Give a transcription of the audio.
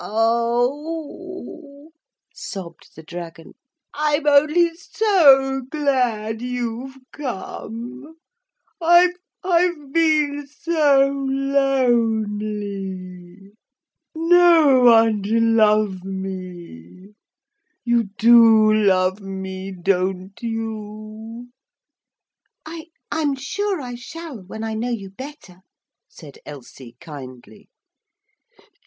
'Oh!' sobbed the dragon, 'I'm only so glad you've come. I I've been so lonely. No one to love me. You do love me, don't you?' 'I I'm sure I shall when I know you better,' said Elsie kindly.